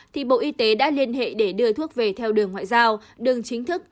thì bộ y tế đã liên hệ để đưa thuốc về theo đường ngoại giao đường chính thức